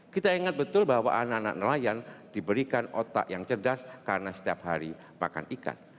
kita ingat betul bahwa anak anak nelayan diberikan otak yang cerdas karena setiap hari makan ikan